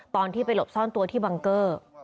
ตอนที่ไปหลบซ่อนตัวที่บังเกอร์